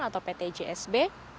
atau pt jsb